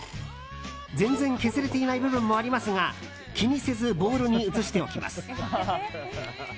全然削れていない部分もありますが気にせずボウルに移しておきます。